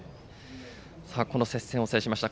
この接戦を制しました。